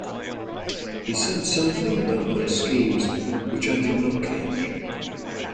He said something about my schemes which I did not catch.